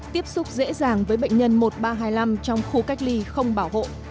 tiếp xúc dễ dàng với bệnh nhân một nghìn ba trăm hai mươi năm trong khu cách ly không bảo hộ